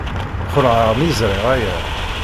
Xelɛeɣ mi ẓriɣ aya.